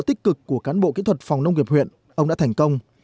tích cực của cán bộ kỹ thuật phòng nông nghiệp huyện ông đã thành công